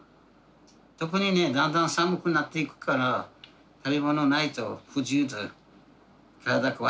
特にねだんだん寒くなっていくから食べ物ないと不自由だ。